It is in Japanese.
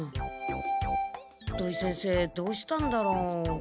土井先生どうしたんだろ？